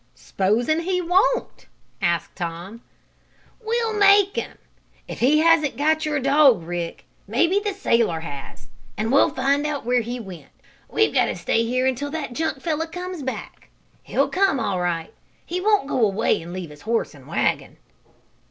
"S'posin' he won't?" asked Tom. "We'll make him! If he hasn't got your dog, Rick, maybe the sailor has, and we'll find out where he went. We've got to stay here until that junk fellow comes back. He'll come all right. He won't go away and leave his horse and wagon."